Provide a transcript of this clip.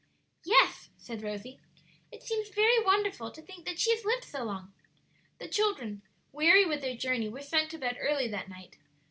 "Yes," said Rosie. "It seems very wonderful to think that she has lived so long." The children, weary with their journey, were sent to bed early that night.